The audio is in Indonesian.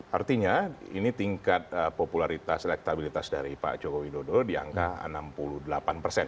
artinya ini tingkat popularitas elektabilitas dari pak joko widodo di angka enam puluh delapan persen